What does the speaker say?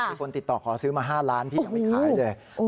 มีคนติดต่อขอซื้อมา๕ล้านพี่ยังไม่ขายเลย